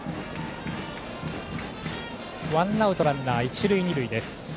ワンアウトランナー、一塁二塁です。